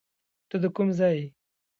ته ده کوم ځای یې